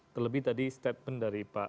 terlebih tadi statement dari pak